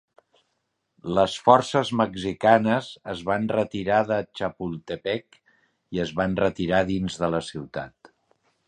Les forces mexicanes es van retirar de Chapultepec i es van retirar dins de la ciutat.